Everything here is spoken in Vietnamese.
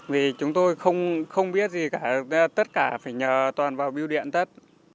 vì chúng tôi không biết gì cả tất cả phải nhờ toàn vào biêu điện tất